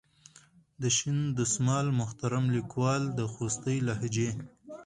د شین دسمال محترم لیکوال د خوستي لهجې.